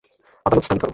আদালত স্থগিত করো।